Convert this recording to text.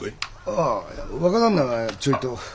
ああ若旦那がちょいと。